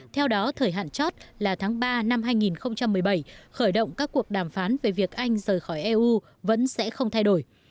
theo đó thời hạn chót là tháng ba năm hai nghìn một mươi bảy khởi động các cuộc đàm phán về việc anh rời khỏi eu vẫn sẽ không thay đổi